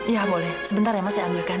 ya boleh sebentar ya mas saya ambilkan